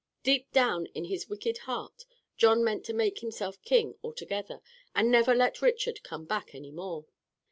Deep down in his wicked heart John meant to make himself king altogether, and never let Richard come back any more.